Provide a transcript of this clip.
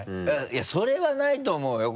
いやそれはないと思うよ